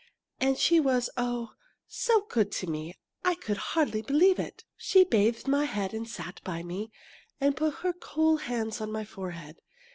And she was oh! so good to me! I could hardly believe it! She bathed my head, and sat by me, and put her cool hands on my forehead.